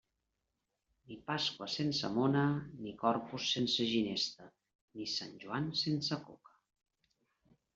Ni Pasqua sense mona, ni Corpus sense ginesta, ni Sant Joan sense coca.